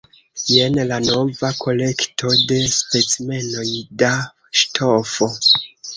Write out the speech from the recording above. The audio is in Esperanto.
Jen la nova kolekto de specimenoj da ŝtofo.